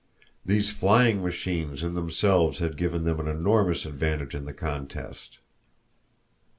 These flying machines in themselves had given them an enormous advantage in the contest.